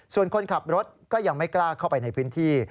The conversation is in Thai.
ส่วนคนขับรถก็ยังไม่กล้าเข้าไปในพื้นที่